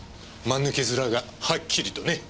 間抜け面がはっきりとね。